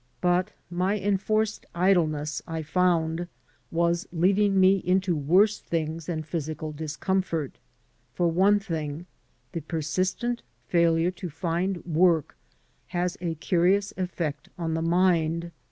But my enforced idleness, I found, was leading me into worse things than physical discomfort. For one thing, the persistent failure to find work has a curious effect on the mind.